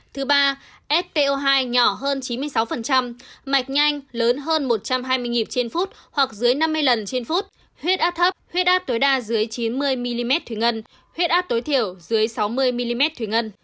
thứ ba so hai nhỏ hơn chín mươi sáu mạch nhanh lớn hơn một trăm hai mươi nhịp trên phút hoặc dưới năm mươi lần trên phút huyết áp thấp huyết áp tối đa dưới chín mươi mm thủy ngân huyết áp tối thiểu dưới sáu mươi mm thủy ngân